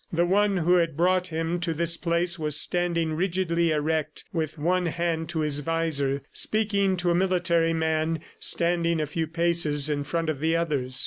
The one who had brought him to this place was standing rigidly erect with one hand to his visor, speaking to a military man standing a few paces in front of the others.